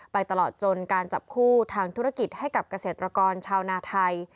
ตลอดจนการจับคู่ทางธุรกิจให้กับเกษตรกรชาวนาไทย